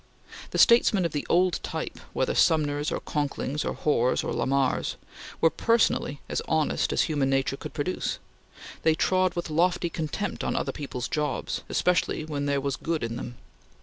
The statesmen of the old type, whether Sumners or Conklings or Hoars or Lamars, were personally as honest as human nature could produce. They trod with lofty contempt on other people's jobs, especially when there was good in them.